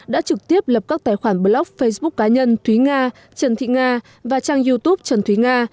đã trực tiếp lập các tài khoản blog facebook cá nhân thúy nga trần thị nga và trang youtube trần thúy nga